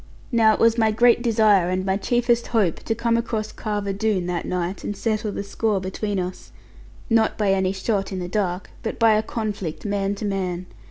Now it was my great desire, and my chiefest hope, to come across Carver Doone that night, and settle the score between us; not by any shot in the dark, but by a conflict man to man.